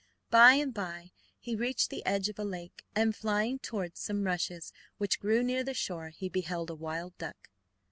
By and by he reached the edge of a lake, and flying towards some rushes which grew near the shore he beheld a wild duck.